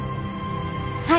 はい！